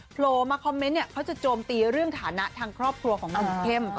โผล่มาคอมเมนต์เนี่ยเขาจะโจมตีเรื่องฐานะทางครอบครัวของหนุ่มเข้ม